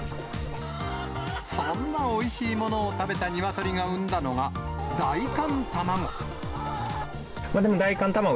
そんなおいしいものを食べたニワトリが産んだのが大寒たまご。